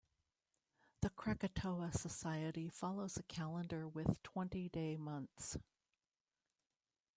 The Krakatoa society follows a calendar with twenty-day months.